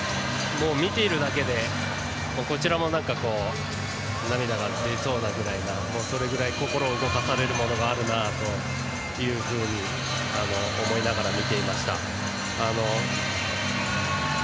見ているだけでこちらも涙が出そうなぐらい心を動かされるものがあると思いながら見ていました。